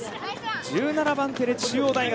１７番手で中央大学。